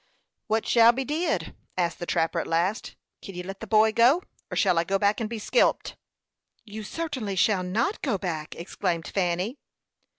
"What shall be did?" asked the trapper, at last. "Kin you let the boy go, or shall I go back and be skelped?" "You certainly shall not go back!" exclaimed Fanny.